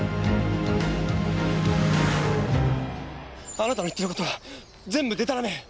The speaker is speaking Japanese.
あなたの言っている事は全部でたらめ。